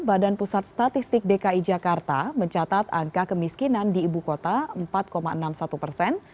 badan pusat statistik dki jakarta mencatat angka kemiskinan di ibu kota empat enam puluh satu persen